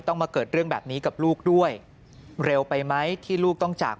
มาเกิดเรื่องแบบนี้กับลูกด้วยเร็วไปไหมที่ลูกต้องจาก